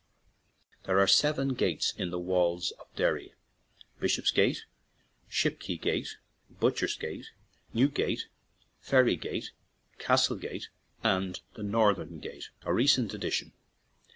There are seven gates in the walls of Derry— viz., Bishop's Gate, Shipquay Gate, Butchers' Gate, New Gate, Ferryquay Gate, Castle Gate, and the Northern Gate, a recent addition.